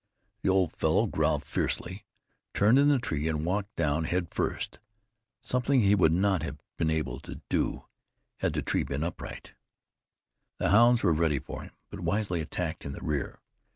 The old fellow growled fiercely, turned in the tree and walked down head first, something he would not have been able to do had the tree been upright. The hounds were ready for him, but wisely attacked in the rear.